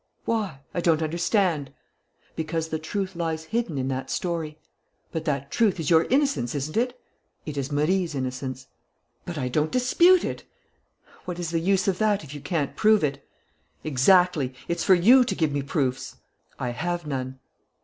"Why? I don't understand." "Because the truth lies hidden in that story." "But that truth is your innocence, isn't it?" "It is Marie's innocence." "But I don't dispute it!" "What is the use of that if you can't prove it?" "Exactly! It's for you to give me proofs." "I have none."